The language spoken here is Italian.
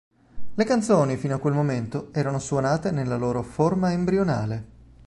Le canzoni fino a quel momento erano suonate nella loro forma embrionale.